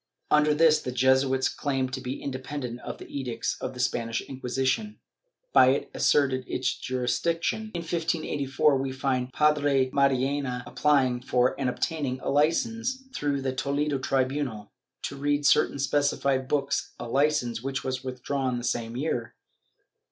Under this the Jesuits claimed to be inde pendent of the edicts of the Spanish Inquisition, but it asserted its jurisdiction. In 1584 we find Padre Mariana applying for and obtaining a licence, through the Toledo tribunal, to read certain specified books — a licence which was withdrawn the same year.